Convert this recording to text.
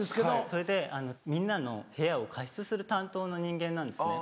それでみんなの部屋を加湿する担当の人間なんですね。